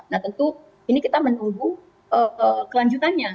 nah tentu ini kita menunggu kelanjutannya